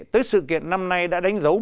tới sự kiện năm nay đã đánh dấu